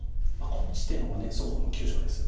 この地点は双方の急所です。